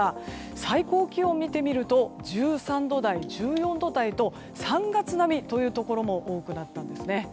最高気温を見てみると１３度台、１４度台と３月並みというところも多くなったんですね。